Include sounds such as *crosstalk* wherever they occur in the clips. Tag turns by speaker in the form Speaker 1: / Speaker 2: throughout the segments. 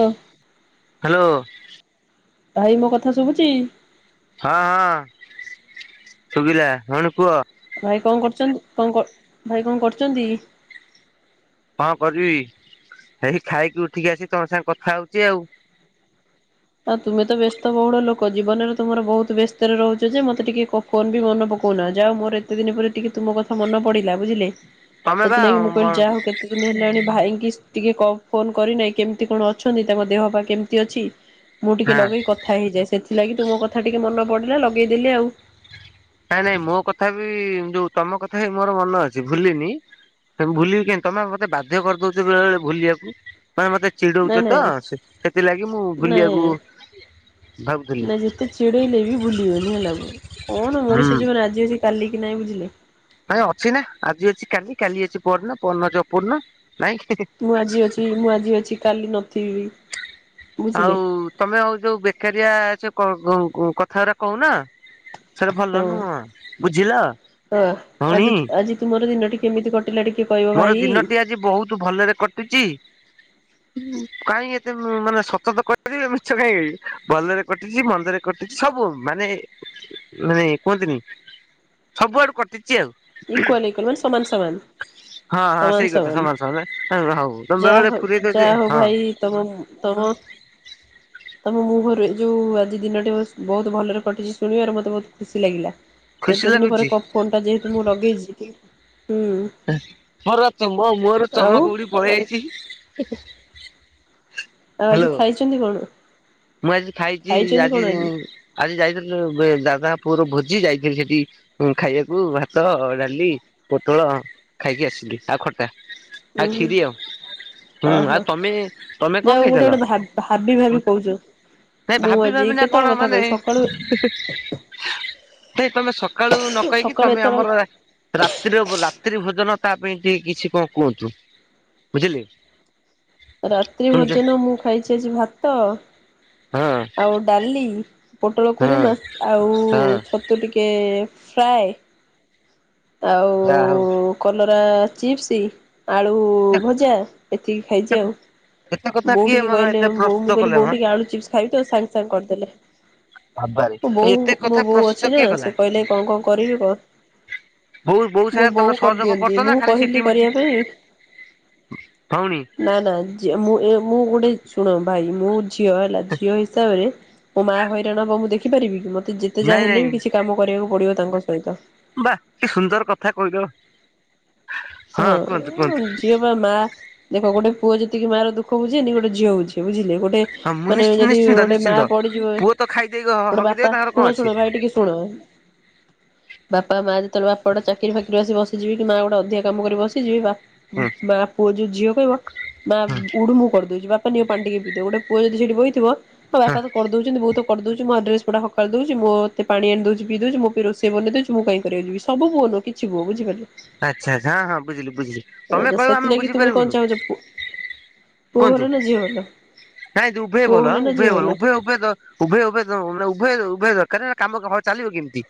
Speaker 1: ଏ।
Speaker 2: Hello.
Speaker 1: ଭାଇ ମୋ କଥା ଶୁଭୁଚି?
Speaker 2: ହଁ ହଁ ଶୁଭିଲା ଭଉଣି କୁହ।
Speaker 1: ଭାଇ କଣ କରୁଚନ୍ତି? କଣ ଭାଇ କଣ କରୁଚନ୍ତି?
Speaker 2: ହଁ ଭଜି ହେଇ ଖାଇକି ଉଠିକି ଆସି ତମ ସାଙ୍ଗେ କଥା ହଉଚି ଆଉ।
Speaker 1: ଆଉ ତୁମେ ତ ବ୍ୟସ୍ତ ବହୁଳ ଲୋକ। ଜୀବନରେ ତୁମର ବହୁତ ବ୍ୟସ୍ତରେ ରହୁଚ ଯେ ମତେ ଟିକେ କହୁ ଫୋନ ବି ମନ ପକଉନା, ଯା ହଉ ମୋର ଏତେ ଦିନ ପରେ ଟିକେ ତୁମ କଥା ମନ ପଡିଲା ବୁଝିଲେ।
Speaker 2: ତମେ ବା
Speaker 1: ସେଥିଲାଗି ମୁଁ
Speaker 2: ମ
Speaker 1: କହିଲି ଯାହା ହଉ କେ କେତେ ଦିନି ହେଲାଣି ଭାଇଙ୍କି ଟିକେ କ ଫୋନ୍ କରିନାହିଁ। କେମିତି କଣ ଅଛନ୍ତି ତାଙ୍କ ଦେହ ପା କେମିତି ଅଛି। ମୁଁ ଟିକେ
Speaker 2: ହଁ
Speaker 1: ଲଗେଇ କଥା ହେଇଯାଏ। ସେଥିଲାଗି ତୁମ କଥା ଟିକେ ମନେ ପଡିଲା ଲଗେଇଦେଲି ଆଉ।
Speaker 2: ନାଇଁ ନାଇଁ ମୋ କଥା ବି ଯୋଉ ତମ କଥା ବି ମୋର ମନ ଅଛି ଭୁଲିନି। ତାକୁ ଭୁଲିବି କେମିତି, ତମେ ବା ମତେ ବାଧ୍ୟ କରିଦଉଚ ବେଳେବେଳେ ଭୁଲିବାକୁ। ମାନେ ମତେ
Speaker 1: ନାଇଁ
Speaker 2: ଚିଡଉଚ ତ
Speaker 1: ନାଇଁ
Speaker 2: ସେ ସେଥିଲାଗି ମୁଁ
Speaker 1: ନାଇଁ
Speaker 2: ଭୁଲିବାକୁ ଭାବୁଥିଲି।
Speaker 1: ନା ଯେତେ ଚିଡେଇଲେ ବି ଭୁଲିବନି ହେଲା। କଣ
Speaker 2: ହୁଁ
Speaker 1: ମଣିଷ ଜୀବନ ଆଜି ଅଛି କାଲି କି ନାଇଁ ବୁଝିଲେ।
Speaker 2: ନାଇଁ ଅଛି ନା ଆଜି ଅଛି କାଲି କାଲି ଅଛି ପହରି ଦିନ ପହର ଦିନ ଅଛି ଅପହର ଦିନ ନାଇଁ କି?
Speaker 1: ମୁଁ ଆଜି ଅଛି ମୁଁ ଆଜି ଅଛି କାଲି ନଥିବି ବି।
Speaker 2: ଆଉ ତମେ ଆଉ ଯୋଉ ବେକାରିଆ ସେ କ କ କ କଥା ଗୁରା କହୁନ। ସେଟା ଭଲ
Speaker 1: ହଁ।
Speaker 2: ନୁହଁ ବୁଝିଲ
Speaker 1: ହଁ ଆଜି
Speaker 2: ଭଉଣୀ।
Speaker 1: ଆଜି ତୁମର ଦିନଟି କେମିତି କଟି ଟିଲା ଟିକେ କହିବେ।
Speaker 2: ମୋର ଦିନଟି ଆଜି ବହୁତ ଭଲରେ କଟିଚି।
Speaker 1: *inaudible*
Speaker 2: କାହିଁକି ଏତେ ଅ ମାନେ ସତ ତ କହିପାରିବେ ମିଛ କାଇଁ ଭଲରେ କଟିଛି ମନ୍ଦରେ କଟିଛି। ସବୁ ମାନେ ମାନେ କୁହନ୍ତିନି ସବୁଆଡୁ କଟିଛି ଆଉ।
Speaker 1: ଇକ୍ୱାଲ ଇକ୍ୱାଲ ମାନେ ସମାନ ସମାନ।
Speaker 2: ହଁ ହଁ ସେଇ କଥା ସମାନ ସମାନ ହ ହଉ ବେଳେ
Speaker 1: ଯାହା
Speaker 2: ବେଳେ
Speaker 1: ହଉ
Speaker 2: ପୁରେହିଁତ ଯେ
Speaker 1: ଯାହା ହଉ
Speaker 2: ହଁ।
Speaker 1: ଭାଇ ତମ ନୁ ତମ ତମ ମୁହଁରୁ ଯୋଉ ଆଜି ଦିନଟି ସ ବହୁତ ଭଲରେ କଟିଛି ଶୁଣିବାରୁ ମତେ ବହୁତ ଖୁସି ଲାଗିଲା।
Speaker 2: ଖୁସି
Speaker 1: ଏତେ ଦିନ ପରେ
Speaker 2: ଲାଗୁଛି
Speaker 1: କପ ଫୋନ୍ ଟା ଯେହେତୁ ମୁଁ ଲଗେଇଛି କି
Speaker 2: ମୋର ଚମ ମୋର
Speaker 1: ଆଉ
Speaker 2: ଚମ କୋଉଠି ପଳେଇ
Speaker 1: ଆଜି
Speaker 2: ଯାଇଛି କି?
Speaker 1: ଆଉ ଆଜି ଖାଇଛନ୍ତି କଣ?
Speaker 2: ମୁଁ ଆଜି ଖାଇଛି
Speaker 1: ଖାଇଛନ୍ତି
Speaker 2: ଆଜି
Speaker 1: କଣ
Speaker 2: ଆଜି ଯାଇଥିଲି ଅ ଏ ଦାଦା ପୁଅର ଭୋଜି ଯାଇଥିଲି ସେଠିକି। ହଁ ଖାଇବାକୁ ଭାତ ଡାଲି ପୋଟଳ ଖାଇକି ଆସିଲି ଆଉ ଖଟା।
Speaker 1: ଉଁ
Speaker 2: ଆଉ
Speaker 1: ହୁଁ
Speaker 2: କ୍ଷୀରି ଆଉ ହୁଁ।
Speaker 1: ଓହୋ
Speaker 2: ଆଉ ତମେ ତମେ କଣ
Speaker 1: ଯାହାହଉ ଗୋଟେ
Speaker 2: ଖାଇଥିଲ?
Speaker 1: ଗୋଟେ ଭାବି ଭାବି ଭାବି କହୁଛ।
Speaker 2: ନାଇଁ
Speaker 1: ମୁଁ
Speaker 2: ଭାବି
Speaker 1: ଆଜି
Speaker 2: ଭାବି ନା
Speaker 1: କେତେବେଳେ
Speaker 2: କଣ
Speaker 1: କଥା
Speaker 2: ମାନେ
Speaker 1: କହିବି ସକାଳୁ
Speaker 2: ନାଇଁ ତମେ ସକାଳୁ ନ କହିକି
Speaker 1: ସକାଳୁ
Speaker 2: ତମେ
Speaker 1: ଏତେବେଳେ
Speaker 2: ଆମର ରାତ୍ରିର ରାତ୍ରି ଭୋଜନ ତା ପାଇଁ ଟିକେ କିଛି କଣ କୁହନ୍ତୁ ବୁଝିଲେ।
Speaker 1: ରାତ୍ରି
Speaker 2: ଶୁଣିଛ
Speaker 1: ଭୋଜନ ମୁଁ ଖାଇଛି ଆଜି ଭାତ
Speaker 2: ହଁ।
Speaker 1: ଆଉ ଡାଲି ପୋଟଳ
Speaker 2: ହଁ
Speaker 1: କୁରୁମା ଆଉ
Speaker 2: ହଁ
Speaker 1: ଛତୁ ଟିକେ ଫ୍ରାଏ।
Speaker 2: ଯାହା ହଉ
Speaker 1: ଆଉ କଲରା ଚିପ୍ସ। ଆଳୁ ଭଜା ଏତିକି ଖାଇଚି ଆଉ।
Speaker 2: ଏତେ କଥା
Speaker 1: ବୋଉ
Speaker 2: କିଏ
Speaker 1: ଟିକେ
Speaker 2: ମାନେ
Speaker 1: କହିଲେ
Speaker 2: ଏତେ
Speaker 1: ବୋଉ
Speaker 2: ପ୍ରସ୍ତୁତ
Speaker 1: ମୁଁ କହିଲି
Speaker 2: କଲେ ମ
Speaker 1: ବୋଉ ଟିକେ ଆଳୁ ଚିପ୍ସ ଖାଇବି ତ ସାଙ୍ଗେ ସାଙ୍ଗେ କରିଦେଲେ।
Speaker 2: ବାବାରେ
Speaker 1: ମୋ
Speaker 2: ଏତେ
Speaker 1: ବୋଉ ମୋ
Speaker 2: କଥା
Speaker 1: ବୋଉ
Speaker 2: ପ୍ରସ୍ତୁତ
Speaker 1: ଅଛି ନା
Speaker 2: କିଏ କଲା?
Speaker 1: ସେ କହିଲେ କଣ କଣ କରିବି କହ।
Speaker 2: ବୋଉ
Speaker 1: ମୋ
Speaker 2: ସାଙ୍ଗେ ତମେ
Speaker 1: ବୋଉ
Speaker 2: ସହଯୋଗ କରୁଛ
Speaker 1: କରିଦିଅନ୍ତି
Speaker 2: ନା
Speaker 1: ମୁଁ
Speaker 2: ଖାଲି ସିଟି
Speaker 1: କହିଲି
Speaker 2: ମିଟି
Speaker 1: କରିବା ପାଇଁ।
Speaker 2: ଭଉଣୀ।
Speaker 1: ନା ନା ଝିଅ ମୁଁ ଏ ମୁଁ ଗୋଟେ ଶୁଣ ଭାଇ ମୁଁ ଝିଅ ହେଲା ଝିଅ ହି ସାବରେ ମୋ ମା ହଇରାଣ ହବ ମୁଁ ଦେଖିପାରିବି କି ମତେ ଯେତେ
Speaker 2: ନାଇଁ
Speaker 1: ଯାହା ହେଲେ
Speaker 2: ନାଇଁ
Speaker 1: ବି କିଛି କାମ କରିବାକୁ ପଡିବ ତାଙ୍କ ହେଇ ତ
Speaker 2: ବା କି ସୁନ୍ଦର କଥା କହିଲ। କୁହନ୍ତୁ
Speaker 1: ହଁ
Speaker 2: କୁହନ୍ତୁ
Speaker 1: ଝିଅ ମୋ ମା ଦେଖ ଗୋଟେ ପୁଅ ଯେତିକି ମା ର ଦୁଃଖ ବୁଝେନି ଗୋଟ ଝିଅ ବୁଝେ ବୁଝିଲେ। ଗୋଟେ ଟେ
Speaker 2: ହଁ ମୁଁ
Speaker 1: ମାନେ
Speaker 2: ନିଶ୍ଚି
Speaker 1: ଯଦି
Speaker 2: ନିଶ୍ଚିନ୍ତ
Speaker 1: ଗୋଟେ ମା
Speaker 2: ନିଶ୍ଚିନ୍ତ।
Speaker 1: ପଡିଯିବ
Speaker 2: ପୁଅ ତ ଖାଇଦେଇ
Speaker 1: ଗୋଟେ
Speaker 2: ହଗିଦେବେ
Speaker 1: ବାପା
Speaker 2: ତାଙ୍କର କଣ
Speaker 1: ଶୁଣ
Speaker 2: ଅଛି
Speaker 1: ଶୁଣ ଭାଇ ଟିକେ ଶୁଣ ବାପା ମା ଯେତେବେଳେ ବାପା ଗୋଟେ ଚାକିରି ଫାକିରିରେ ଆସି ବସିଯିବି କି ମା ଗୋଟେ ଅଧିକା କାମ କରି ବସିଯିବେ ବା ଉଁ
Speaker 2: ହୁଁ
Speaker 1: ମା ପୁଅ ଯୋଉ ଝିଅ କହିବ ମା
Speaker 2: ହୁଁ
Speaker 1: ଉଠୁ ମୁଁ କରିଦୋଉଚି ବାପା ନିଅ ପାଣି ଟିକେ ପିଇଦିଅ। ଗୋଟେ ପୁଅ ଯଦି ସେଠି ବଇଥିବ ମୋ
Speaker 2: ହଁ
Speaker 1: ବାପା ତ କରିଦଉଚନ୍ତି ବୋଉ ତ କରିଦଉଚି ମୋ ଡ୍ରେସ ପଟା ହକାଳି ଦଉଚି ମୋତେ ପାଣି ଆଣି ଦଉଚି ପିଇ ଦଉଚି ମୋ ପାଇଁ ରୋଷେଇ ବନେଇଦଉଚି ତ ମୁଁ କାଇଁ କରିବାକୁ ଯିବି। ସବୁ ପୁଅ ନୁହେଁ କିଛି ପୁଅ ବୁଝିପାରିଲେ।
Speaker 2: ଆଚ୍ଛା ଆଚ୍ଛା ହଁ ହଁ ବୁଝିଲି ବୁଝିଲି
Speaker 1: ତ
Speaker 2: ତମ କହିବ ଆମେ
Speaker 1: ସେଥିଲାଗି ତୁମେ କଣ
Speaker 2: ବୁଝିପାରିବୁନୁ।
Speaker 1: ଚାହୁଁଛ ପୁଅ ଭଲ
Speaker 2: କୁହନ୍ତୁ
Speaker 1: ନା ଝିଅ ଭଲ
Speaker 2: ନାଇ ଉଭୟେ
Speaker 1: ପୁଅ
Speaker 2: ଭଲ
Speaker 1: ନା
Speaker 2: ଉଭୟେ
Speaker 1: ଝିଅ
Speaker 2: ଭଲ ଉଭୟେ ଉଭୟେଦ ଉଭୟେ ଉଭୟେ ଦ ଉଭୟ ଉଭୟେ ଦରକାର ନହଲେ କାମ ହଁ ଚାଲିବ କେମିତି?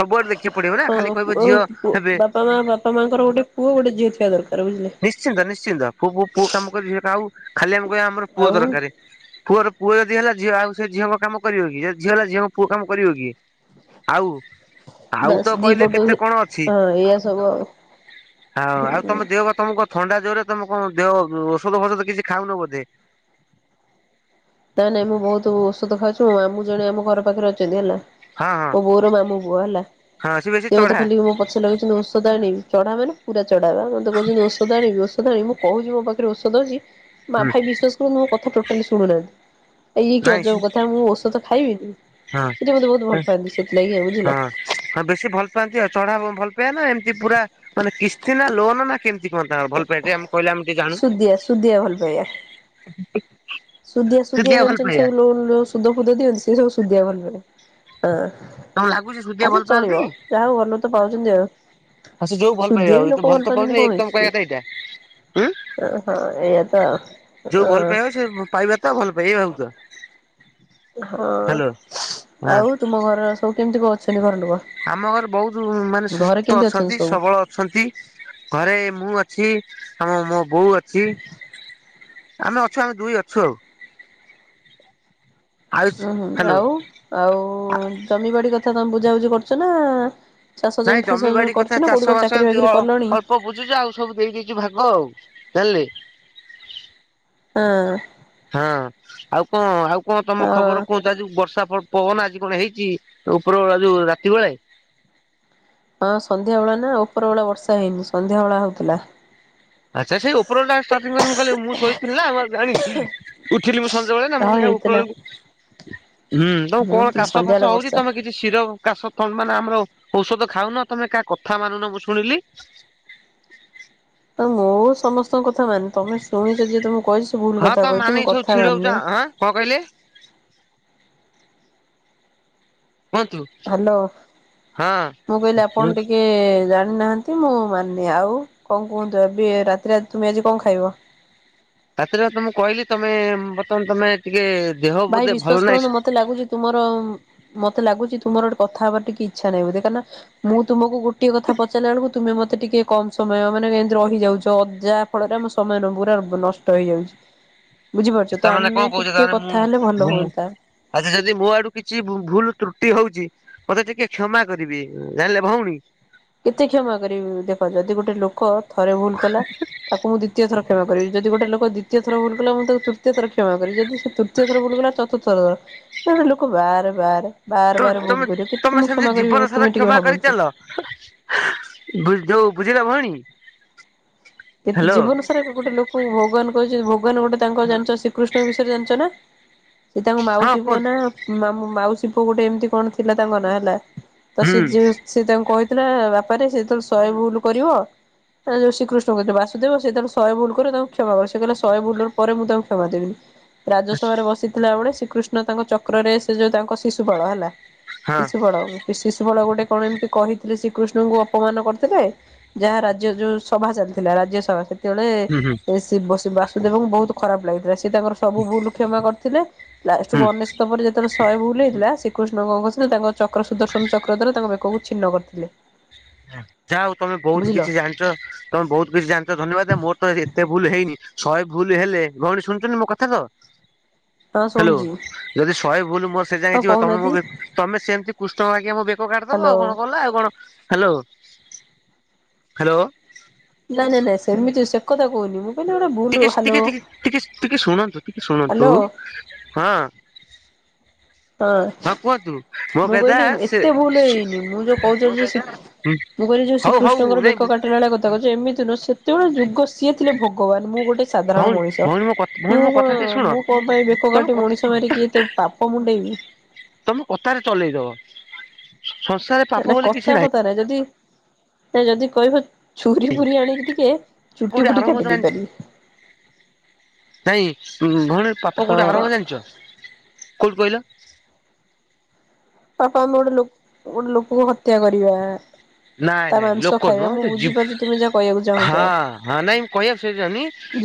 Speaker 2: ସବୁଆଡେ ଦେଖିବାକୁ ପଡିବ ନା ଖାଲି କହିବ
Speaker 1: ହଁ
Speaker 2: ଝିଅ
Speaker 1: ପୁଅ
Speaker 2: ହେବେ
Speaker 1: ବାପା ମା ବାପା ମାଆଙ୍କର ଗୋଟେ ପୁଅ ଗୋଟେ ଝିଅ ଛୁଆ ଦରକାର ବୁଝିଲେ।
Speaker 2: ନିଶ୍ଚିନ୍ତ ନିଶ୍ଚିନ୍ତ ପୁଅ ପୁଅ କାମ କରିବ ଝିଅ ଆଉ ଖାଲି ଆମେ କହିବା ଆମର ପୁଅ
Speaker 1: ଆଉ
Speaker 2: ଦରକାର। ପୁଅର ପୁଅ ଯଦି ହେଲା ଝିଅ ଆଉ ସେ ଝିଅଙ୍କ କାମ କରିବ କିଏ ଯଦି ଝିଅ ହେଲା ଝିଅଙ୍କ ପୁଅ କାମ କରିବ କିଏ। ଆଉ ଆଉ
Speaker 1: ବାସ୍
Speaker 2: ତ
Speaker 1: ଦି
Speaker 2: କହିଲେ
Speaker 1: ପଟୁ
Speaker 2: କେତେ କଣ ଅଛି?
Speaker 1: ହଁ ଏଇଆ ସବୁ ଆଉ
Speaker 2: ଆଉ ଆଉ ତମ ଦେହ ଭଲ ତମକୁ କଣ ଥଣ୍ଡା ଜୋରେ ତମେ କଣ ଦେହ ଔଷଧ ଫୋଷଧ କିଛି ଖାଉନ ବୋଧେ।
Speaker 1: ନାଇଁ ନାଇଁ ମୁଁ ବହୁତ ଔଷଧ ଖାଉଚି ମୋ ମାମୁଁ ଜଣେ ଆମ ଘର ପାଖରେ ଅଛନ୍ତି ହେଲା।
Speaker 2: ହଁ ହଁ
Speaker 1: ମୋ ବୋଉର ମାମୁଁ ପୁଅ ହେଲା
Speaker 2: ହଁ ସେ ବେଶୀ
Speaker 1: ସିଏ ମତେ
Speaker 2: ଚଢା
Speaker 1: ଖାଲି *unintelligible* ଗଛ ଲଗେଇଛନ୍ତି ଓଷଦ ଆଣିବି, ଚଢା ମାନେ ପୁରା ଚଢା ବା, ମତେ କହୁଚନ୍ତି ଓଷଦ ଆଣିବି ଓଷଦ ଆଣିବି କହୁଚି ମୋ ପାଖରେ ଓଷଦ ଅଛି, ମା ଭାଇ ବିଶ୍ୱାସ କରନ୍ତୁ ମୋ କଥା ଟୋଟାଲି ଶୁଣୁନାହାନ୍ତି। ଏ ଇଏ କି
Speaker 2: ନାଇଁ
Speaker 1: ଅଜବ କଥା ମୁଁ ଓଷଦ ଖାଇବିନି,
Speaker 2: ହଁ
Speaker 1: ସେ ଟିକେ ମତେ ବହୁତ ଭଲ ପାଆନ୍ତି ସେଥିଲାଗି ଆଉ ବୁଝିଲ।
Speaker 2: ହଁ। ହଁ ବେଶୀ ଭଲ ପାଆନ୍ତି ଆଉ ଚଢା ଭଲ ପାଇଆ ନା ଏମତି ପୁରା ମାନେ କିସ୍ତି ନା ଲୋନ ନା କେମିତି କଣ ତାଙ୍କ ଭଲ ପାଇଆ ଟିକେ ଆମକୁ କହିଲେ ଆମେ ଟିକେ ଜାଣୁ।
Speaker 1: ସୁଦିଆ ସୁଦିଆ ଭଲ ପାଇବା। ସୁଦିଆ ସୁଦିଆ
Speaker 2: ସୁଧିଆ ଭଲ
Speaker 1: ଜାଣିଚନ୍ତି
Speaker 2: ପାଇବା
Speaker 1: ସବୁ ଲୋନ ଯୋଉ ସୁଧ ଫୁଦ ଦିଅନ୍ତି ସେ ସବୁ ସୁଦିଆ ଭଲ ପାଇଆ ହଁ।
Speaker 2: ତମକୁ ଲାଗୁଛି ସୁଧିଆ
Speaker 1: ଆଉ ସେ
Speaker 2: ଭଲ ପାଆନ୍ତି?
Speaker 1: ଚଳିବ ଯାହାହଉ ଭଲ ତ ପାଉଚନ୍ତି ଆଉ।
Speaker 2: ହଁ ସେ ଯୋଉ ଭଲ ପାଇବା
Speaker 1: ସୁଧିଆ ବି
Speaker 2: ଆଉ,
Speaker 1: ଲୋକ
Speaker 2: ଏଇତ ଭଲ ତ
Speaker 1: ପାଆନ୍ତିନି
Speaker 2: ପାଉଛନ୍ତି
Speaker 1: କଣ
Speaker 2: ଏଇକ ତମ କହିବା
Speaker 1: ହେଇଛି।
Speaker 2: କଥା ଏଇଟା। ଉଁ
Speaker 1: ଓହୋ ଏଇଆ ତ ଆଉ।
Speaker 2: ଯୋଉ
Speaker 1: ଅ
Speaker 2: ଭଲ ପାଇବା ସେ ପାଇବା ତା ଭଲ ପାଇଆ ଏଇଆ ଭାବୁଚ।
Speaker 1: ହଁ
Speaker 2: ହଁ
Speaker 1: ଆଉ ତୁମ ଘର ସବୁ କେମିତି କଁ ଅଛନ୍ତି ଘର ଲୋକ।
Speaker 2: ଆମ ଘରେ ବହୁତୁ ମାନେ
Speaker 1: ଘରେ
Speaker 2: ସୁସ୍ଥ
Speaker 1: କେମିତି
Speaker 2: ଅଛନ୍ତି
Speaker 1: ସବୁ?
Speaker 2: ସବଳ ଅଛନ୍ତି, ଘରେ ମୁଁ ଅଛି ଆମ ମୋ ବୋଉ ଅଛି। ଆମେ ଅଛୁ, ଆମେ ଦୁଇ ଅଛୁ ଆଉ।
Speaker 1: *inaudible*
Speaker 2: ଆଉ
Speaker 1: ଉୁଁ ହୁଁ
Speaker 2: ହ୍ୟାଲୋ
Speaker 1: ଆଉ ଆଉ ଜମିବାଡି କଥା ତମେ ବୁଝାବୁଝି କରୁଚ ନା ଚାଷ ଜମି ଫାସ ଜମି କରୁଚ ନା କୋଉଠି କଁ ଚାକିରି ବାକିରି କଲଣି?
Speaker 2: ବୁଝୁଛି ଆଉ ସବୁ ଦେଇ ଦେଇଛି ଭାଗ ଆଉ ଜାଣିଲେ।
Speaker 1: ହଁ।
Speaker 2: ହଁ ଆଉ କଁ ଆଉ କଁ ତମ ଖବର କୁହ ଯୋଉ ବର୍ଷା ପ-ପବନ ଆଜି କଣ ହେଇଛି ଉପରବେଳା ଯୋଉ ରାତି ବେଳେ?
Speaker 1: ହଁ ସନ୍ଧ୍ୟା ବେଳେ ନା ଉପର ବେଳେ ବର୍ଷା ହେଇନି, ସନ୍ଧ୍ୟାବେଳେ ହଉଥିଲା।
Speaker 2: ଆଚ୍ଛା ସେଇ ଉପର ବେଳା ଷ୍ଟାର୍ଟିଂ କରିିବ ମୁଁ କହିଲି ମୁଁ ଶୋଇଥିଲ ନା ମୁଁ ଆଉ ଜାଣିନି। ଉଠିଲି ମୁଁ ସଞ୍ଜବେଳେ ନା ମୁଁ
Speaker 1: ହଁ
Speaker 2: କହିଲି ଦେଖିଆ ଉପର
Speaker 1: ହେଇଥିଲା
Speaker 2: ବେଳକୁ ହୁଁ ତମକୁ
Speaker 1: ହୁଁ
Speaker 2: କଣ
Speaker 1: ଟିକେ
Speaker 2: କାଶ ଫାସ
Speaker 1: ସନ୍ଧ୍ୟାବେଳେ
Speaker 2: ହଉଛି
Speaker 1: ବର୍ଷା।
Speaker 2: ତମେ କି କି ସିରପ୍ କାଶ ଥନ ମାନେ ଆମର ଔଷଧ ଖାଉନ ତମେ କାହା କଥା ମାନୁନ ମୁଁ ଶୁଣିଲି।
Speaker 1: ତ ମୁଁ ସମସ୍ତଙ୍କ କଥା ମାନେ ତମେ ଶୁଣିଛ ଯିଏ ତମୁକୁ କହିଛି ସେ ଭୁଲ କଥା କହିଛି, ମୁଁ କଥା ମାନେ।
Speaker 2: କଁ କହିଲେ? କୁହନ୍ତୁ
Speaker 1: ହାଲୋ,
Speaker 2: ହଁ
Speaker 1: ମୁଁ କହିଲି ଆପଣ ଟିକେ ଜାଣିନାହା ନ୍ତି ମୁଁ ମାନେ, ଆଉ କଁ କୁହନ୍ତୁ ଏବେ ରାତିରେ ତୁମେ ଆଜି କଣ ଖାଇବ?
Speaker 2: ରାତିରେ ତ ମୁଁ କହିଲି ତମେ ବର୍ତ୍ତମାନ ତମେ ଟିକେ ଦେହ
Speaker 1: ଭାଇ
Speaker 2: ବୋଧେ
Speaker 1: ବିଶ୍ଵାସ
Speaker 2: ଭଲ
Speaker 1: କରନ୍ତୁ
Speaker 2: ନାହିଁ।
Speaker 1: ମତେ ଲାଗୁଛି ତୁମର ମତେ ଲାଗୁଚି ତୁମର ଗୋଟେ କଥା ହବାର ଟିକେ ଇଛା ନାହିଁ ବୋଧେ, କାଇଁନା ମୁଁ ତୁମକୁ ଗୋ ଟେ କଥା ପଚାରିଲା ବେଳକୁ ତୁମେ ମତେ ଟିକେ କମ ସମୟ ମାନେ କେମିତି ରହିଯାଉଚ, ଯାହା ଫଳରେ ଆମ ସମୟ ଗୁରା ନଷ୍ଟ ହେଇଯାଉଚି। ବୁଝିପାରୁଛ ତ ଆମେ ଟିକେ କ
Speaker 2: ଘୁମୁ ଆଚ୍ଛା ଯଦି ମୋ ଆଡୁ କିଛି ଭୁଲ ତ୍ରୁଟି ହଉଚି ମତେ ଟିକେ କ୍ଷମା କରିବେ ଜାଣିଲେ ଭଉଣୀ।
Speaker 1: କେତେ କ୍ଷମା କରିବି ମୁଁ, ଦେଖ ଯଦି ଗୋଟେ ଲୋକ ଥରେ ଭୁଲ କଲା ତାକୁ ମୁଁ ଦ୍ୱିତୀୟ ଥର କ୍ଷମା କରିବି, ଯଦି ଗୋଟେ ଲୋକ ଦ୍ୱିତୀୟ ଥର ଭୁଲକଲା ମୁଁ ତାକୁ ତୃତୀୟ ଥର କ୍ଷମା କରିବି, ଯଦି ସେ ତୃତୀୟ ଥର ଭୁଲକଲା ଚତୁ ର୍ଥ ଜଣେ ଲୋକ ବାର ବାର ବାର ବାର
Speaker 2: ତମେ
Speaker 1: ଭୁଲ କରିବ କେତେ
Speaker 2: ତମେ
Speaker 1: ତୁମକୁ
Speaker 2: ସେମିତି
Speaker 1: କ୍ଷମା କରିବି
Speaker 2: ଜୀବନ
Speaker 1: ଭାଇ
Speaker 2: ସାରା
Speaker 1: ତୁମେ ଟିକେ
Speaker 2: କ୍ଷମା କରି
Speaker 1: ଭାବନ୍ତୁ।
Speaker 2: ଚାଲ ଯୋଉ ବୁଝିଲ ଭଉଣୀ।
Speaker 1: କେତେ
Speaker 2: ହ୍ୟାଲୋ
Speaker 1: ଜୀବନସାରା ଗୋଟେ ଲୋକ ଭଗବାନ କହିଛନ୍ତି, ଭଗବାନ ଗୋଟେ ତାଙ୍କ ଜାଣିଚ ଶ୍ରୀକୃଷ୍ଣଙ୍କ ବିଷୟରେ ଜାଣିଚ ନା? ସେ ତାଙ୍କ
Speaker 2: ହଁ
Speaker 1: ମାଉସୀ ପୁଅ
Speaker 2: କୁହନ୍ତୁ
Speaker 1: ନା ମାମ-ମାଉସୀ ପୁଅ ଗୋଟେ ଏମିତି କଣ ଥିଲା ତାଙ୍କ ନାଁ ହେଲା। ତ ସେ
Speaker 2: ହୁଁ
Speaker 1: ଯୋଉ ସେ ତାଙ୍କୁ କହିଥିଲା ବାପାରେ ସେ ଯେତେବେଳେ ଶହେ ଭୁଲ କରିବ, ଯୋଉ ଶ୍ରୀକୃ ଷ୍ଣ କହିଥିଲେ, ବାସୁେଦେବ ସେ ତାକୁ ଶହେ ଭୁଲ କରିବ ତାଙ୍କୁ କ୍ଷମା କରିବ, ସେ କହିଲା ଶହେ ଭୁଲର ପରେ ମୁଁ ତାଙ୍କୁ କ୍ଷମା ଦେବିନି। ରାଜସଭାରେ ବସିଥିଲା ବେଳେ ଶ୍ରୀକୃଷ୍ଣ ତାଙ୍କ ଚକ୍ରରେ ସେ ଯୋଉ ତାଙ୍କ ଶିଶୁପାଳ ହେଲା।
Speaker 2: ହଁ
Speaker 1: ଶିଶୁପାଳ ସେ ଶିଶୁପାଳ ଗୋଟେ କଣ ଏମିତି କହିଥିଲେ ଶ୍ରୀକୃଷ୍ଣଙ୍କୁ ଅପମାନ କରିଥିଲେ ଯାହା ରାଜ୍ୟ ଯୋଉ ସଭା ଚାଲ ଥିଲା ରାଜ୍ୟସଭା
Speaker 2: ହୁଁ ହୁଁ
Speaker 1: ସେତେବେଳେ *unintelligible* ବାସୁଦେବଙ୍କୁ ବହୁତ ଖରାପ ଲାଗୁଥିଲା। ସେ ତାଙ୍କର ସବୁ ଭୁଲ କ୍ଷମା କରିଥିଲେ,
Speaker 2: ହୁଁ
Speaker 1: ଲାଷ୍ଟକୁ ଅନେ ଶତ ପରେ ଯେତେବେଳେ ଶହେ ଭୁଲ ହେଇଥିଲା, ଶ୍ରୀକୃଷ୍ଣଙ୍କ କଣ କରିଥିଲେ ତାଙ୍କ ଚକ୍ର ସୁଦର୍ଶନ ଚକ୍ର ଦ୍ୱାରା ତାଙ୍କ ବେକକୁ ଛିନ୍ନ କରିଥିଲେ।
Speaker 2: ଯା ହଉ ତମେ ବହୁତ
Speaker 1: ବୁଝିଲ
Speaker 2: କିଛି ଜାଣିଛ। ତମେ ବହୁତ କିଛି ଜାଣିଛ ଧନ୍ୟବାଦ, ମୋର ତ ଏତେ ଭୁଲ ହେଇନି। ଶହେ ଭୁଲ ହେଲେ ଭଉଣୀ ଶୁଣୁଚନ୍ତି ମୋ କଥା ତ
Speaker 1: ହଁ ଶୁ
Speaker 2: ହାଲୋ ଯଦି ଶହେ ଭୁଲ ମୋ ସେ
Speaker 1: ହଁ
Speaker 2: ଯାଏଁ ଯିବ, ତମେ ମୋ
Speaker 1: କହୁନାହାନ୍ତି
Speaker 2: ବେ ତମେ ସେମିତି କୃଷ୍ଣଙ୍କ ବାଗିଆ ମୋ ବେ କ କାଟିଦବ
Speaker 1: ହ୍ୟାଲୋ।
Speaker 2: ଆଉ କଣ, ଗଲା ଆଉ କଣ। Hello hello.
Speaker 1: ନାଇଁ ନାଇଁ ନାଇଁ, ସେମିତି ସେ କଥା କହୁନି ମୁଁ। କହିଲି ଗୋଟେ ଭୁଲ
Speaker 2: ଟିକେ
Speaker 1: ହ୍ୟାଲୋ
Speaker 2: ଟିକେ ଟିକେ ଟିକେ ଟିକେ ଶୁଣନ୍ତୁ ଟିକେ ଶୁଣନ୍ତୁ
Speaker 1: ହ୍ୟାଲୋ
Speaker 2: ହଁ। ହଁ କୁହନ୍ତୁ। ମୋ
Speaker 1: ମୁଁ
Speaker 2: କଥା
Speaker 1: କହିଲି
Speaker 2: ସେ
Speaker 1: ଏତେ ଭୁଲ ହେଇନି, ମୁଁ ଯୋଉ କହୁଚି ଆଜି ସି ମୁଁ କହିଲି ଯୋଉ
Speaker 2: ହଉ ହଉ
Speaker 1: ଶ୍ରୀକୃଷ୍ଣଙ୍କର
Speaker 2: ନାଇଁ
Speaker 1: ବେକ କାଟିଲା ଭଳିଆ କଥା କହୁଛ, ଏମିତି ନୁହଁ ସେ ସିଏ ଗୋଟେ ଯୁଗ, ସିଏ ଥିଲେ ଭଗବାନ। ମୁଁ ଗୋଟେ ସାଧାରଣ
Speaker 2: ଭଉଣୀ
Speaker 1: ମଣିଷ।
Speaker 2: ଭଉଣୀ ମୋ ଭଉଣୀ
Speaker 1: ମୁଁ
Speaker 2: ମୋ କଥା
Speaker 1: କଣ
Speaker 2: ଟିକେ ଶୁଣ
Speaker 1: ମୁଁ କଣ ପାଇଁ ବେକ
Speaker 2: ତମେ
Speaker 1: କାଟି ମଣିଷ ମାରିକି, ଏତେ ପାପ ମୁଣ୍ଡେଇ
Speaker 2: ତମେ କଥାରେ ଚଲେଇଦବ। ହଁ ସ
Speaker 1: ନା କଥା ପଥା ନାହିଁ ଯଦି, ନାଇଁ ଯଦି କହିବ ଛୁରି ଫୁରି ଆଣିକି ଟିକେ, ଚୁଟି
Speaker 2: କୋଉଠି
Speaker 1: ଫୁଟି
Speaker 2: ଆରମ୍ଭ
Speaker 1: କାଟି ଦେଇ
Speaker 2: ଜାଣିଛ
Speaker 1: ପାରିବି।
Speaker 2: ନାଇଁ ଭଉଣୀ ପାପ କୋଉଠି
Speaker 1: ହଁ
Speaker 2: ଆରମ୍ଭ ଜାଣିଛ, କୋଉଠୁ କହିଲ?
Speaker 1: ପାପ ଆମେ ଗୋଟେ ଲୋକ ଗୋଟେ ଲୋକକୁ ହତ୍ୟା କରିବା।
Speaker 2: ନାଇଁ
Speaker 1: ତା
Speaker 2: ନାଇଁ
Speaker 1: ମାଂସ
Speaker 2: ଲୋକ
Speaker 1: ଖାଇବା
Speaker 2: ନୁହଁ
Speaker 1: ମୁଁ
Speaker 2: ଗୋଟେ ଜିବ,
Speaker 1: ବୁଝିପାରୁଛି ତୁମେ ଯାହା କହିବାକୁ ଚାହୁଁଛ।
Speaker 2: ହଁ- ହଁ ନାଇଁ ମୁଁ କହିଆକୁ ସେଇ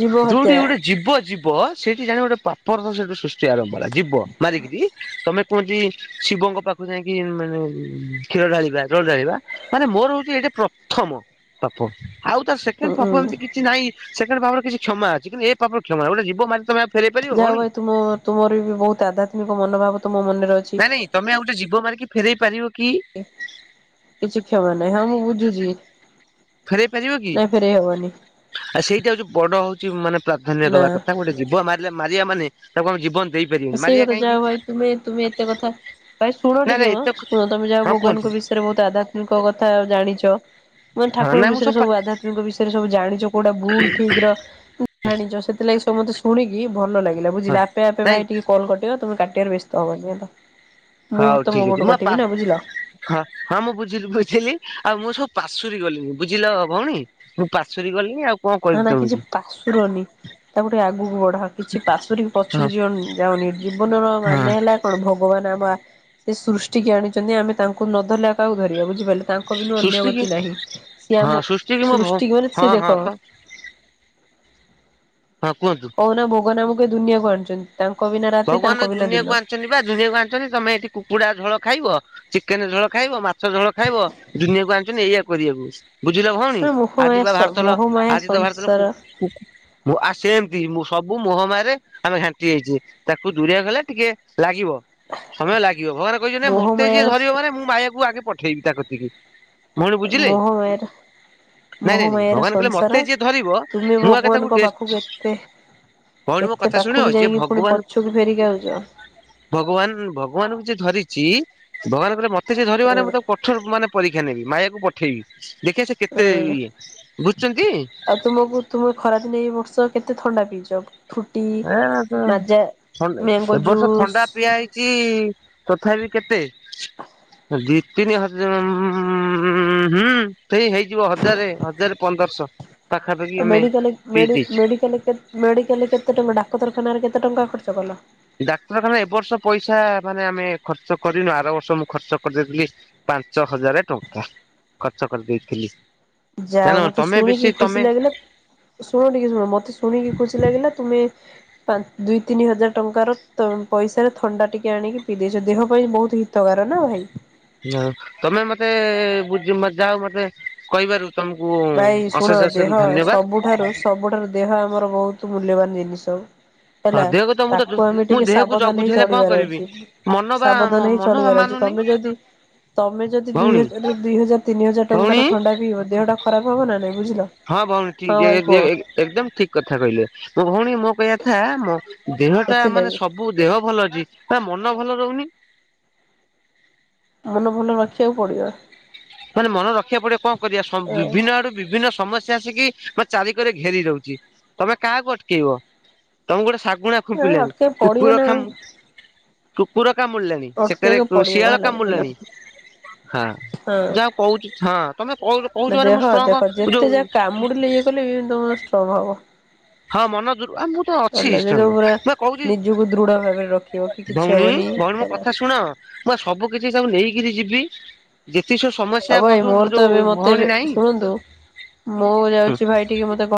Speaker 1: ଜୀବ ହତ୍ୟା
Speaker 2: ଯୋଉଠିକି ଗୋଟେ ଜୀବ ଜୀବ କୁହ ସେଇଠି ଜାଣ ଗୋଟେ ପାପରତ *unintelligible* ସେଠୁ ସୃଷ୍ଟି ଆରମ୍ଭହେଲା, ଜୀବ ମାରିକିରି। ତମେ କୁହନ୍ତି ଶିବଙ୍କପାଖକୁ ଯାଇକି ମାନେ କ୍ଷୀର ଢାଳିବା ଜଳ ଢାଳିବା ମାନେ ମୋର ହଉଛି ଏଇଟା ପ୍ରଥମ ପାପ, ଆଉ ତ
Speaker 1: ଉଁ
Speaker 2: ସେକେଣ୍ଡ ପାପ
Speaker 1: ଉଁ
Speaker 2: ଏମିତି କିଛି ନାହିଁ। ସେକେଣ୍ଡ ପାପର କିଛି କ୍ଷମା ଅଛି, କିନ୍ତ ଏ ପାପର କ୍ଷମା ନାହିଁ। ଗୋଟେ ଜୀବ ମାରିକି ତମେ ଫେରେଇ ପାରିବ
Speaker 1: ଯାହା ହଉ
Speaker 2: ଭଉଣୀ?
Speaker 1: ଭାଇ ତୁମ, ତୁମର ବି ବହୁତ ଆଧ୍ୟାତ୍ମିକ ମନୋଭାବ ତୁମ ମନରେ ଅଛି।
Speaker 2: ନାଇଁ ନାଇଁ ତମେ ଆଉ ଗୋଟେ ଜୀବ ମାରିକି ଫେରେଇ ପାରିବ
Speaker 1: କି କିଛି କ୍ଷମା ନାହିଁ, ହଁ ମୁଁ ବୁଝୁଛି
Speaker 2: ଫେରେଇ ପାରିବ କି?
Speaker 1: ନାଇଁ ଫେରେଇ ହବନି
Speaker 2: ଆଉ ସେଇଟା ହଉଛି ବଡ ହଉଛି, ମାନେ ପ୍ରାଧାନ୍ୟ
Speaker 1: ନା।
Speaker 2: ଦବା କଥା। ଗୋଟେ ଜୀବ ମାରିଲେ ମାରିଆ ମାନେ ତାକୁ ଆମେ ଜୀବନ ଦେଇପାରି
Speaker 1: ଆଉ ସେଇ କଥା, ଯା ହଉ ଭାଇ ତୁମେ ତୁମେ ଏତେ କଥା ଭାଇ ଶୁଣ
Speaker 2: ନା
Speaker 1: ଟିକେ
Speaker 2: ନାଇଁ
Speaker 1: ମ
Speaker 2: ଏତେ
Speaker 1: ଶୁଣ, ତମେ ଯା ହଉ
Speaker 2: ହଁ କୁହନ୍ତୁ
Speaker 1: ଭଗବାନଙ୍କ ବିଷୟରେ ବହୁତ ଆଧ୍ୟାତ୍ମିକ କଥା ଜାଣିଛ। ମାନେ
Speaker 2: ହଁ
Speaker 1: ଠାକୁରଙ୍କ
Speaker 2: ନାଇଁ ମୁଁ
Speaker 1: ବିଷୟରେ,
Speaker 2: ପା
Speaker 1: ସବୁ ଆଧ୍ୟାତ୍ମିକଙ୍କ ବିଷୟରେ ସବୁ ଜାଣିଛ। କୋଉଟା ଭୁଲ ଠିକ୍ ର ଜାଣିଛ ସେଥିଲାଗି, ସବୁ ମତେ ଶୁଣିକି ଭଲ ଲାଗିଲା
Speaker 2: ହଁ
Speaker 1: ବୁଝିଲ। ଆପେ ଆପେ
Speaker 2: ନାଇଁ
Speaker 1: ଭାଇ ଟିକେ କଲ୍ କଟିବ, ତୁମେ କାଟିବାର ବ୍ୟସ୍ତ ହବନି ହେଲା। ମୁଁ
Speaker 2: ହଉ
Speaker 1: ତ ମୋ
Speaker 2: ଠିକ ଅଛି
Speaker 1: ପଟୁ
Speaker 2: ମୁଁ ପା
Speaker 1: କାଟିବି ନା ବୁଝିଲ।
Speaker 2: ହଁ- ହଁ ମୁଁ ବୁଝିଲି ବୁଝିଲି, ଆଉ ମୁଁ ସବୁ ପାଶୁରି ଗଲିଣି ବୁଝିଲ ଭଉଣୀ। ମୁଁ ପାଶୁରି ଗଲିଣିି ଆଉ କଣ
Speaker 1: ନା-
Speaker 2: କହିବି
Speaker 1: ନା କିଛି
Speaker 2: ତମକୁ
Speaker 1: ପାଶୁରନି। ତମେ ଟିକେ ଆଗକୁ ବଢ, କିଛି ପାଶୋରିକି
Speaker 2: ହଁ
Speaker 1: ପଛକୁ ଯିବା ଯାଅନି। ଜୀବନର
Speaker 2: ହଁ
Speaker 1: ମାନେ ହେଲା କଣ ଭଗବାନ ଆମ ଆ ସୃଷ୍ଟିିକୁ ଆଣିଛନ୍ତି, ଆମେ ତାଙ୍କୁ ନ ଧରିଲେ ଆଉ କାହାକୁ ଧରିବା ବୁଝିପାରିଲେ। ତାଙ୍କ ବିନୁ ଅନ୍ୟ
Speaker 2: ସୃଷ୍ଟି କି
Speaker 1: ଗତି ନାହିଁ, ସିଏ
Speaker 2: ହଁ ସୃଷ୍ଟି କି
Speaker 1: ଆମକୁ
Speaker 2: ମୋ ଭ
Speaker 1: ସୃଷ୍ଟିିକରିଛି
Speaker 2: ହଁ ହଁ
Speaker 1: ଦେଖ
Speaker 2: ତ ହଁ କୁହନ୍ତୁ।
Speaker 1: କହୁନ ଭଗବାନ ଆମକ ଏଦୁନିଆକୁ ଆଣିଛନ୍ତି, ତାଙ୍କ ବିନା ରାତି
Speaker 2: ଭଗବାନ
Speaker 1: ତାଙ୍କ ବିନା
Speaker 2: ଜୁନିଆକୁ
Speaker 1: ଦିନ
Speaker 2: ଆଣିଛନ୍ତି ବା ଦୁନିଆକୁ ଆଣିଛନ୍ତି, ତମେ ଏଠି କୁକୁଡ଼ା ଝୋଳ ଖାଇବ ଚିକେନ ଝୋଳ ଖାଇବ, ମାଛ ଝୋଳ ଖାଇବ ଦୁନିଆକୁ ଆଣିଛନ୍ତିି ଏଇଆ କରିବାକୁ। ବୁଝିଲ ଭଉଣୀ,
Speaker 1: ନା
Speaker 2: ଆଜି ବା
Speaker 1: ମୋହମାୟା
Speaker 2: ବାହାରୁଥଲ
Speaker 1: ମୋହମାୟା
Speaker 2: ଆଜି ତ ବାହାରୁଥିଲ
Speaker 1: ସଂସାର
Speaker 2: କୁ କୁ ଆ ସେମିତି ମୁଁ ସବୁ ମୋହମାରରେ ଆମେ ଘାଣ୍ଟି ହେଇଛେ ତାକୁ ଦୂରିଆ ଗଲେ ଟିକେ ଲାଗିବ ସମୟ ଲାଗିବ ଭଗବାନ କହିଛନ୍ତି ମତେ ଯିଏ
Speaker 1: ମୋହମାୟାର
Speaker 2: ଧରିବ ମାନେ ମୁଁ ମାୟାକୁ ଆଗେ ପଠେଇବି ତା କତିକି ଭଉଣୀ ବୁଝିଲେ
Speaker 1: ମୋହମାୟାଟା
Speaker 2: ନାଇଁ ନାଇଁ ନାଇଁ
Speaker 1: ମହମାୟାର
Speaker 2: ଭଗବାନ କହିଲେ ମତେ
Speaker 1: ସଂସାର
Speaker 2: ଯିଏ ଧରିବ
Speaker 1: ତୁମେ
Speaker 2: ମୁଁ ଆଗେ ତାକୁ
Speaker 1: ଭଗବାନଙ୍କ
Speaker 2: ଟେଷ୍ଟ
Speaker 1: ପାଖକୁ କେତେ
Speaker 2: ଭଉଣୀ ମୋ
Speaker 1: ଏତେ
Speaker 2: କଥା ଶୁଣିବ
Speaker 1: ପାଖକୁ
Speaker 2: ଯିଏ
Speaker 1: ଯାଇକି ପୁଣି
Speaker 2: ଭଗବାନ
Speaker 1: ପଛକୁ ଫେରିକି ଆଉଛ
Speaker 2: ଭଗବାନ ଭଗବାନଙ୍କୁ ଯିଏ ଧରିଛି ଭଗବାନ କହିଲେ ମତେ ଯିଏ
Speaker 1: ହୁଁ
Speaker 2: ଧରିବନା ମୁଁ ତାକୁ କ କଠୋର ମାନେ ପରୀକ୍ଷା ନେବି ମାୟାକୁ ପଠେଇବି ଦେଖିବା ସେ କେତେ
Speaker 1: ହୁଁ
Speaker 2: ଇଏ ବୁଝୁଛନ୍ତି।
Speaker 1: ଆଉ ତୁମକୁ ତୁମ ଖରାଦିନେ ଏଇବର୍ଷ କେତେ ଥଣ୍ଡା ପିଇଛ ଫୁଟି
Speaker 2: ଏ ତ
Speaker 1: ମାଜା ମ୍ୟାଗୋଜୁସ
Speaker 2: ଚି ତଥାପି କେତେ ଦି ତିନି ହଜାର ହୁଁ ସେଇ ହେଇଯିବ ହଜାରେ ହଜାରେ ପନ୍ଦରଶହ ପାଖାପାଖି ଆମେ
Speaker 1: ମେଡ଼ିକାଲ
Speaker 2: ପିଇ
Speaker 1: ମେଡି
Speaker 2: ଦେଇଛୁ
Speaker 1: ମେଡ଼ିକାଲ ମେଡ଼ିକାଲରେ କେତେ ଟଙ୍କା ଡାକ୍ତରଖାନାରେ କେତେ ଟଙ୍କା ଖର୍ଚ୍ଚ କଲ?
Speaker 2: ଡାକ୍ତରଖାନା ଏବର୍ଷ ପଇସା ମାନେ ଆମେ ଖର୍ଚ୍ଚ କରିନୁ ଆର ବର୍ଷ ମୁଁଖର୍ଚ୍ଚ କରିଦେଇଥିଲି। ପାଞ୍ଚ ହଜାର ଟଙ୍କା ଖର୍ଚ୍ଚ କରିଦେଇଥିଲି। ଜାଣ
Speaker 1: ଯାହଉ ମତେ
Speaker 2: ତମେ ବେଶୀ
Speaker 1: ଶୁଣିକି
Speaker 2: ତମେ
Speaker 1: ଖୁସି ଲାଗିଲା ଶୁଣିକି ନୁହଁ ମୋତେ ଶୁଣିକି ଖୁସି ଲାଗିଲା ତୁମେ ଆଜି ଦୁଇ ତିନିହଜାର ଟଙ୍କାର ପଇସାରେ ଥଣ୍ଡା ଟିକେ ଆଣିକି ପିଇ ଦେଇଛନ୍ତି ଦେହ ପାଇଁ ବହୁତ ତଗାରନା ଭାଇ *unintelligible*
Speaker 2: ହଁ ତମେ ମତେ ବୁଜି ଯାଅ ମତେ କହିବାରୁ ତମକୁ।
Speaker 1: ଭାଇ ଶୁଣ
Speaker 2: ଅଶେଷ ଅଶେଷ
Speaker 1: ଦେହ
Speaker 2: ଧନ୍ୟବାଦ।
Speaker 1: ସବୁଠାରୁ ସବୁଠାରୁ ଦେହ ଆମର ବହୁତ ମୂଲ୍ୟବାନ ଜିନିଷ।
Speaker 2: ହଁ
Speaker 1: ହେଲା
Speaker 2: ଦେହକୁ ତ ମୁଁ ତ
Speaker 1: ତାକୁ ଆମେ
Speaker 2: ମୁଁ
Speaker 1: ଟିକେ
Speaker 2: ଦେହକୁ
Speaker 1: ସାବଧାନ
Speaker 2: ଜଗୁଛି
Speaker 1: ହିଁ
Speaker 2: ହେଲେ କଣ
Speaker 1: ଚଳିବାର
Speaker 2: କରିବି।
Speaker 1: ଅଛି
Speaker 2: ମନ ବା
Speaker 1: ସାବଧାନ ହେଇ
Speaker 2: ମନ ବା
Speaker 1: ଚଳିବାର ଅଛି
Speaker 2: ମାନୁନି
Speaker 1: ତମେ ଯଦି ତମେ ଯଦି ଦୁଇ
Speaker 2: ଭଉଣୀ
Speaker 1: ହଜାର ଦୁଇ ହଜାର ତିନି ହଜାର ଟଙ୍କାର
Speaker 2: ଭଉଣୀ
Speaker 1: ଥଣ୍ଡା ପିଇବ ଦେହଟା ଖରାପ ହବନା ନାଇଁ ବୁଝିଲ।
Speaker 2: ହଁ ଭଉଣୀ
Speaker 1: ହଁ
Speaker 2: ଠିକ୍
Speaker 1: ଭାଇ କୁହ
Speaker 2: ଏକଦମ ଠିକ କଥା କହିଲେ ମୋ ଭଉଣୀ ମୋ କହିବାଥା ମୋ ଦେହଟା ମାନେ
Speaker 1: ସେଥିଲାଗି
Speaker 2: ସବୁ ଦେହ ଭଲ ଅଛି ତା ମନ ଭଲ ରହୁନି।
Speaker 1: ମନ ଭଲ ରଖିବାକୁ ପଡ଼ିବ।
Speaker 2: ମାନେ ମନେ ରଖିବାକୁ ପଡିବ କଣ କରିବା ବିଭିନ୍ନ ଆଡୁ ବିଭିନ୍ନ ସମସ୍ୟା ଆସିକି ମ ଚାରିକରେ ଘେରି ଯାଉଛି ତମେ କାହାକୁ ଅଟକେଇବ ତମକୁ ଗୋଟେ ଶାଗୁଣା
Speaker 1: ହଁ
Speaker 2: ଖୁପିଲାଣି
Speaker 1: ଅଟକେଇ ପଡିବ
Speaker 2: କୁକୁର
Speaker 1: ନା
Speaker 2: ଖାମ କୁକୁର କାମୁଡ଼ିଲାଣି। ସେଠା ରେ
Speaker 1: ଅଟକେଇବାକୁ ପଡିବ
Speaker 2: ଶିଆଳ
Speaker 1: ହେଲା ବୁଝିଲ।
Speaker 2: କାମୁଡ଼ିଲାଣି ହଁ।
Speaker 1: ହଁ
Speaker 2: ଯାହା କହୁଛି ହଁ ତମେ କହୁଛ କହୁଛ ମାନେ ମୁଁ ଷ୍ଟ୍ରଙ୍ଗଅଛି ଏଯୋଉ
Speaker 1: ମୁଡ ଇଏ କଲେ ତମର ଷ୍ଟଙ୍ଗ ହବ
Speaker 2: ହଁ ମନ ଦୁରୁ ଆ ହ ଅଛି
Speaker 1: ଭଲ ଯେ ଯୋଉ
Speaker 2: ଷ୍ଟଙ୍କ
Speaker 1: ପୁରା
Speaker 2: ମୁଁ କହୁଛି
Speaker 1: ନିଜକୁ ଦୃଢ ଭାବରେ ରଖିବ କି କିଛି
Speaker 2: ଭଉଣୀ
Speaker 1: ହବନି
Speaker 2: ଭଉଣୀ ମୋ
Speaker 1: ହେଲା।
Speaker 2: କଥା ଶୁଣ। ମୁଁ ବା ସବୁ କିଛି ତାକୁ ନେଇକିରି ଯିବି। ଯେତିଷ ସମୟ
Speaker 1: ହଉ ଭାଇ ମୋର ତ ଏବେ ମତେ ଶୁଣନ୍ତୁ ମୁଁ ଯାଉଛି ଭାଇ ଟିକେ ମତେ କଣ